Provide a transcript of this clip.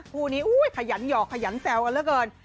คู่นี้อุ้ยขยันหยอกขยันแซวกันแล้วเกิน